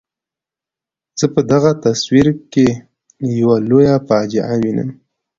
زه په دغه تصویر کې یوه لویه فاجعه وینم.